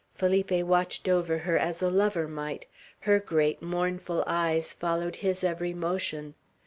Felipe watched over her as a lover might; her great mournful eyes followed his every motion.